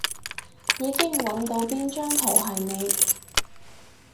已經搵到邊張圖係你